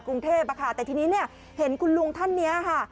กรุงเทพอะค่ะแต่ทีนี้เนี่ยเห็นคุณลุงท่านนี้ค่ะ